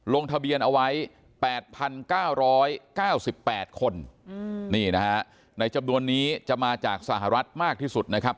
ลงทะเบียนเอาไว้๘๙๙๘คนนี่นะฮะในจำนวนนี้จะมาจากสหรัฐมากที่สุดนะครับ